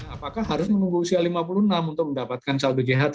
apakah harus menunggu usia lima puluh enam untuk mendapatkan saldo jht